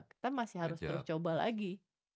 kita masih harus tercoba lagi